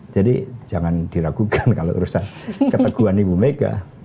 jadi jangan diragukan kalau urusan keteguhan ibu mega